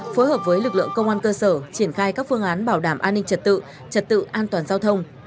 phối hợp với lực lượng công an cơ sở triển khai các phương án bảo đảm an ninh trật tự trật tự an toàn giao thông